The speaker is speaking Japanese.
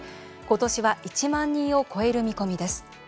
今年は１万人を超える見込みです。